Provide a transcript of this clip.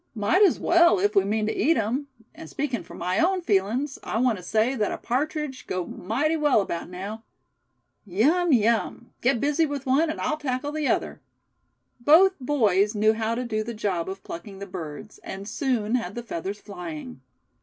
"Might as well, if we mean to eat 'em; and speakin' for my own feelings I want to say that a partridge'd go mighty well about now. Yum! yum! get busy with one, and I'll tackle the other." Both boys knew how to do the job of plucking the birds, and soon had the feathers flying.